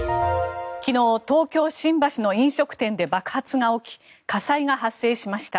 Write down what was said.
昨日東京・新橋の飲食店で爆発が起き火災が発生しました。